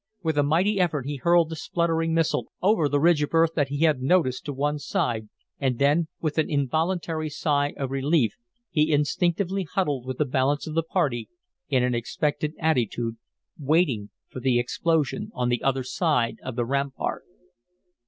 With a mighty effort he hurled the spluttering missile over the ridge of earth that he had noticed to one side, and then, with an involuntary sigh of relief, he instinctively huddled with the balance of the party in an expectant attitude, waiting for the explosion on the other side of the rampart.